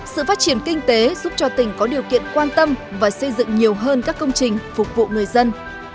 sự phát triển kinh tế giúp cho tỉnh có điều kiện quan tâm và xây dựng nhiều hơn các công trình phục vụ người dân